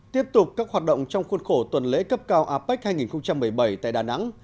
tiếp tục các hoạt động trong khuôn khổ tuần lễ cấp cao apec hai nghìn một mươi bảy tại đà nẵng